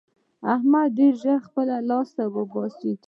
احمد ډېر ژر خپله لاره باسي.